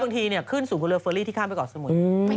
บางทีขึ้นสู่เรือเฟอร์รี่ที่ข้ามไปก่อสมุย